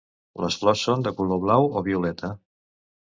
Les flors són de color blau o violeta.